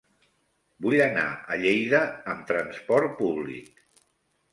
Vull anar a Lleida amb trasport públic.